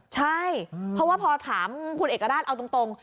ใช่เพราะว่าพอถามคุณเอกราชเอาตรง